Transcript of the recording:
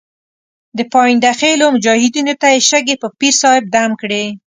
د پاینده خېلو مجاهدینو ته یې شګې په پیر صاحب دم کړې.